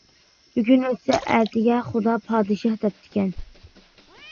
بۈگۈن ئۆتسە ئەتىگە خۇدا پادىشاھ دەپتىكەن.